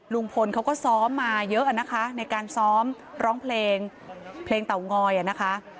ลุงพลเขาก็ซ้อมมาเยอะนะคะในการซ้อมร้องเพลงเพลงเตางอยนะคะ